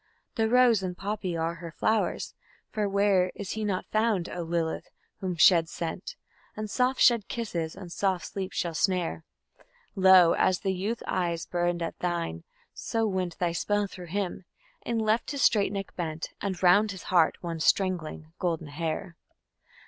The rose and poppy are her flowers; for where Is he not found, O Lilith, whom shed scent And soft shed kisses and soft sleep shall snare? Lo! as that youth's eyes burned at thine, so went Thy spell through him, and left his straight neck bent And round his heart one strangling golden hair.